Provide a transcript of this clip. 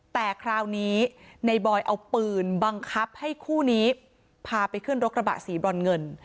แต่คราวนี้ในบอยเอาปืนบังคับให้คู่นี้พาไปขึ้นรถกระบะสีบรอนเงิน